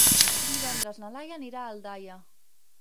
Divendres na Laia anirà a Aldaia.